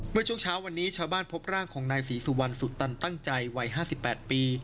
เมื่อช่วงเช้าวันนี้ชาวบ้านพบร่างของนายศรีสุวรรณสุดตันตั้งใจวัย๕๘ปี